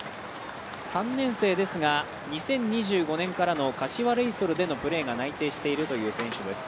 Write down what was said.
３年生ですが、２０２５年からの柏レイソルでのプレーが内定しているという選手です。